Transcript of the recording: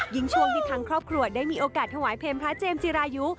ช่วงที่ทั้งครอบครัวได้มีโอกาสถวายเพลงพระเจมสจิรายุ